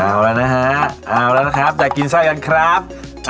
เอาละนะฮะเอาละนะครับจากกินไส้กันครับ